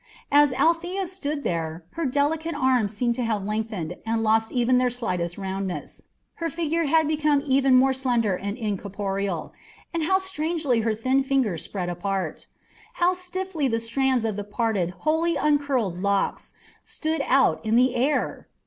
As Althea stood there, her delicate arms seemed to have lengthened and lost even their slight roundness, her figure to have become even more slender and incorporeal, and how strangely her thin fingers spread apart! How stiffly the strands of the parted, wholly uncurled locks stood out in the air!